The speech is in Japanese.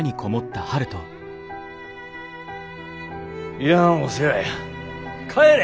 いらんお世話や帰れ！